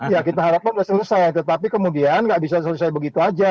ya kita harapkan sudah selesai tetapi kemudian nggak bisa selesai begitu aja